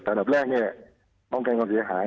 ระดับแรกนี่น้องแค่คนเสียหาย